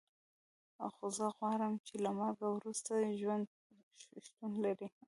خو زه غواړم چې له مرګ وروسته ژوند شتون ولري